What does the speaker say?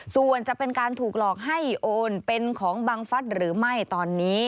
ส่วนจะเป็นการถูกหลอกให้โอนเป็นของบังฟัฐหรือไม่ตอนนี้